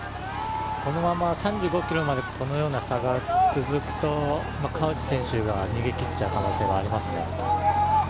このまま３５ｋｍまでこのような差が続くと川内選手が逃げ切っちゃう可能性がありますね。